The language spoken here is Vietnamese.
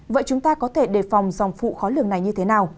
vậy chúng ta có thể đề phòng dòng phụ khói lường này như thế nào